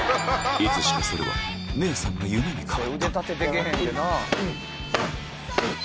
いつしかそれは姉さんの夢に変わった１・２・３・４。